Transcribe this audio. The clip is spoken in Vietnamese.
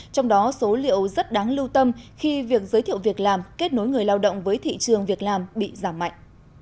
trong đó số liệu rất đáng lưu tâm khi việc giới thiệu việc làm kết nối người lao động với thị trường việc làm bị giảm mạnh